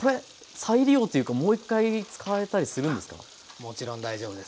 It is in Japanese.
もちろん大丈夫です。